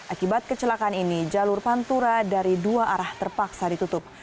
akibat kecelakaan ini jalur pantura dari dua arah terpaksa ditutup